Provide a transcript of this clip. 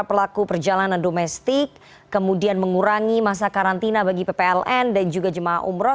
pelaku perjalanan domestik kemudian mengurangi masa karantina bagi ppln dan juga jemaah umroh